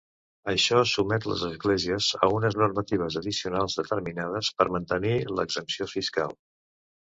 Això sotmet les esglésies a unes normatives addicionals determinades per mantenir l'exempció fiscal.